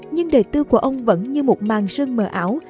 nhưng đời tư của ông vẫn như một màn sơn mờ ảo